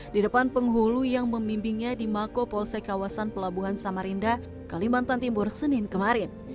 di depan penghulu yang membimbingnya di mako polsek kawasan pelabuhan samarinda kalimantan timur senin kemarin